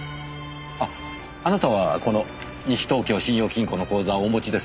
ああなたはこの西東京信用金庫の口座をお持ちですよね？